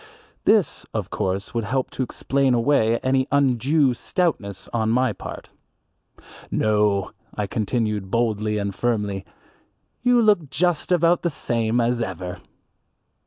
This of course would help to explain away any undue stoutness on my part. "No," I continued boldly and firmly, "you look just about the same as ever."